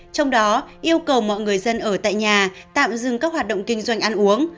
trong đó yêu cầu mọi người dân ở tại nhà tạm dừng các hoạt động kinh doanh ăn uống